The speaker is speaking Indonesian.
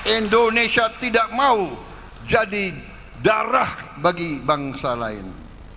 indonesia tidak mau jadi darah bagi bangsa lain